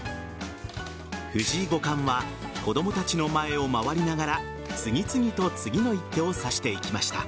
藤井五冠は子供たちの前を回りながら次々と次の一手を指していきました。